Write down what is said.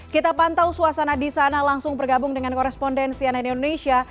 kita pantau suasana di sana langsung bergabung dengan korespondensi ann indonesia